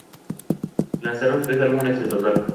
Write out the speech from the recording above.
Lanzaron tres álbumes en total.